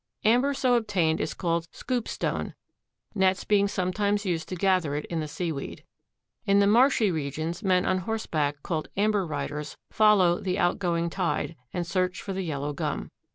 Amber so obtained is called scoopstone, nets being sometimes used to gather in the seaweed. In the marshy regions men on horse back, called amber riders, follow the outgoing tide and search for the yellow gum.